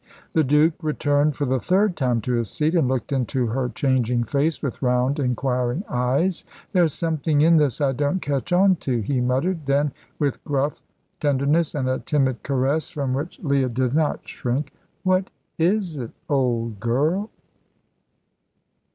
The Duke returned for the third time to his seat and looked into her changing face with round inquiring eyes. "There's somethin' in this I don't catch on to," he muttered; then, with gruff tenderness, and a timid caress from which Leah did not shrink, "What is it, old girl?"